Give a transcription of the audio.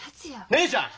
姉ちゃん！